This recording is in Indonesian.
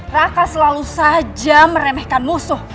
raka selalu saja meremehkan musuh